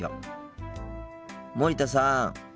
森田さん。